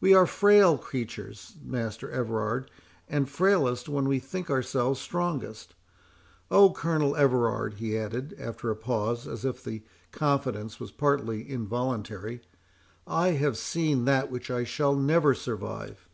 "We are frail creatures, Master Everard, and frailest when we think ourselves strongest. Oh, Colonel Everard," he added, after a pause, and as if the confidence was partly involuntary, "I have seen that which I shall never survive!"